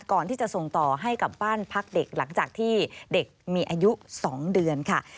ก่อนที่จะส่งต่อให้กับบ้านพักเด็กหลังจากที่เด็กมีอายุ๒เดือนค่ะ